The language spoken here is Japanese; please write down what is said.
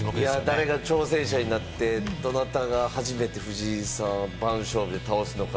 誰が挑戦者になって、どなたが初めて藤井さんを番勝負で倒すのか